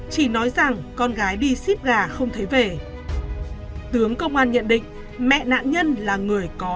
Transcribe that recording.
chỉ nói rằng con gái đi ship gà không thấy về tướng công an nhận định mẹ nạn nhân là người có